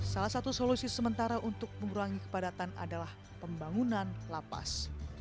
salah satu solusi sementara untuk mengurangi kepadatan adalah pembangunan lapas